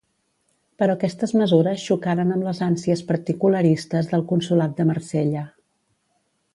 Però aquestes mesures xocaren amb les ànsies particularistes del consolat de Marsella.